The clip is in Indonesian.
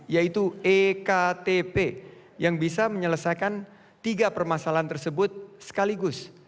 yaitu ektp yang bisa menyelesaikan tiga permasalahan tersebut sekaligus